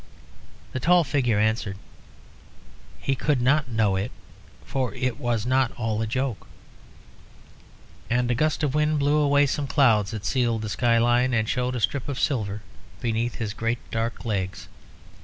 The tall figure answered "He could not know it. For it was not all a joke." And a gust of wind blew away some clouds that sealed the sky line, and showed a strip of silver behind his great dark legs.